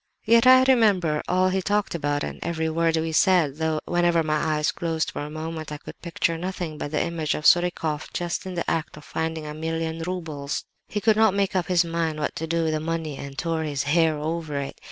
"Yet I remember all he talked about, and every word we said, though whenever my eyes closed for a moment I could picture nothing but the image of Surikoff just in the act of finding a million roubles. He could not make up his mind what to do with the money, and tore his hair over it.